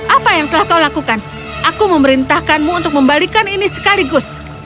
apa yang telah kau lakukan aku memerintahkanmu untuk membalikan ini sekaligus